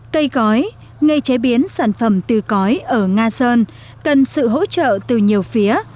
cây cõi nghề chế biến sản phẩm từ cõi ở nga sơn cần sự hỗ trợ từ nhiều phía